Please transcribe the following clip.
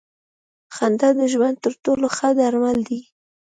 خندا د ژوند تر ټولو ښه درمل دی.